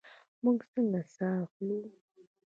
موږ څنګه ساه اخلو؟